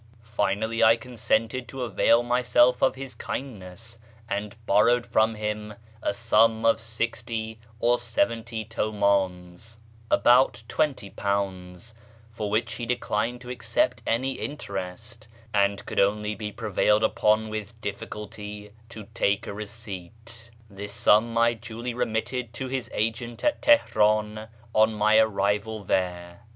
Finally, I consented to avail myself of his kindness, and borrowed from him a sum of sixty or seventy tilmdns (about £20), for which he declined to accept any interest, and could only be prevailed upon with difficulty to take a receipt. This sum I duly remitted to his agent at Teheran on my arrival there.